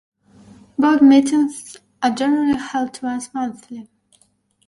Board meetings are generally held twice monthly.